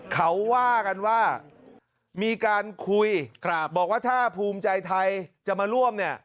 เขาว่ากันว่ามีการคุยบอกว่าถ้าภูมิใจไทยจะมาร่วมเนี่ย